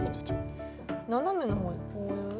斜めの方にこういう？